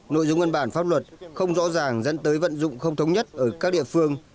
nội dung văn bản pháp luật không rõ ràng dẫn tới vận dụng không thống nhất ở các địa phương